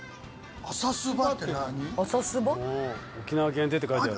朝すば？